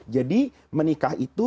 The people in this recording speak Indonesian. jadi menikah itu